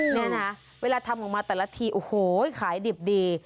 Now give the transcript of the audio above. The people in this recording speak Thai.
นี่นะเวลาทำออกมาแต่ละทีโอ้โหขายดิบดี